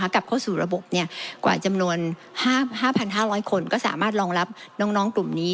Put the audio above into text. กลับเข้าสู่ระบบกว่าจำนวน๕๕๐๐คนก็สามารถรองรับน้องกลุ่มนี้